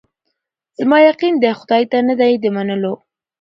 زما یقین دی خدای ته نه دی د منلو